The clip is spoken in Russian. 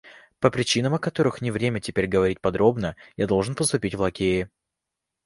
По причинам, о которых не время теперь говорить подробно, я должен поступить в лакеи.